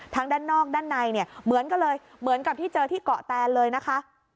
ทั้งด้านนอกด้านในเหมือนกับที่เจอที่เกาะแตนเลยนะคะ